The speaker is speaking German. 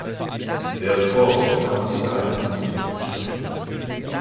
Herr Ford wandelt da in berühmten Fußstapfen.